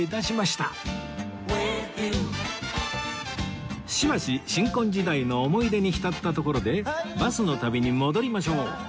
しばし新婚時代の思い出に浸ったところでバスの旅に戻りましょう